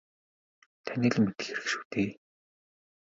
Таны л мэдэх хэрэг шүү дээ.